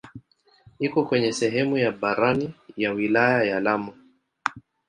Iko kwenye sehemu ya barani ya wilaya ya Lamu.